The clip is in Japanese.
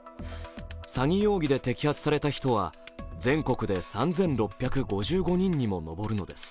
詐欺容疑で摘発された人は全国で３６５５人にも上るのです。